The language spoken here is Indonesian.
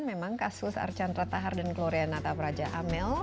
memang kasus arcan rattahar dan gloria natapraja amel